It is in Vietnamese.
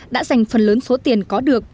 đã dành phần lớn số tiền có được